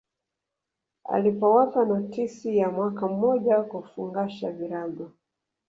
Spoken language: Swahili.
Alipowapa notisi ya mwaka mmoja kufungasha virago